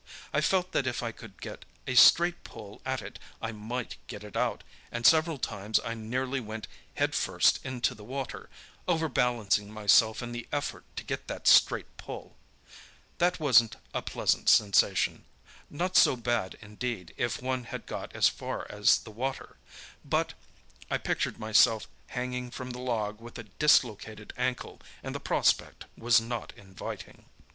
I felt that if I could get a straight pull at it I might get it out, and several times I nearly went head first into the water, overbalancing myself in the effort to get that straight pull. That wasn't a pleasant sensation—not so bad, indeed, if one had got as far as the water. But I pictured myself hanging from the log with a dislocated ankle, and the prospect was not inviting.